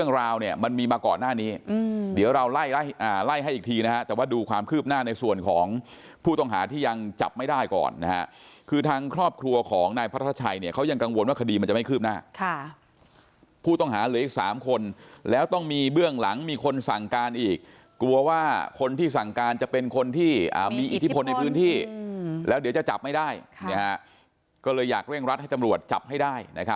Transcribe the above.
ในส่วนของผู้ต้องหาที่ยังจับไม่ได้ก่อนนะฮะคือทางครอบครัวของนายพระธรรมชัยเนี้ยเขายังกังวลว่าคดีมันจะไม่คืบหน้าค่ะผู้ต้องหาเหลืออีกสามคนแล้วต้องมีเบื้องหลังมีคนสั่งการอีกกลัวว่าคนที่สั่งการจะเป็นคนที่อ่ามีอิทธิพลในพื้นที่แล้วเดี๋ยวจะจับไม่ได้ครับก็เลยอยากเร่งรัดให้จำรวจจั